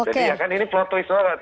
jadi ya kan ini plot twist banget